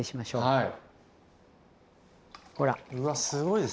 はい。